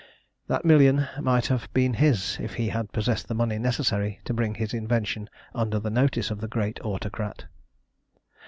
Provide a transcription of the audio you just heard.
That million might have been his if he had possessed the money necessary to bring his invention under the notice of the great Autocrat.